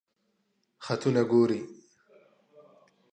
خطونه ګوری؟